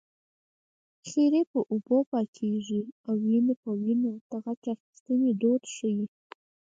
خیرې په اوبو پاکېږي او وينې په وينو د غچ اخیستنې دود ښيي